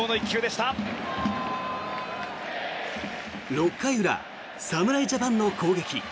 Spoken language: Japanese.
６回裏侍ジャパンの攻撃。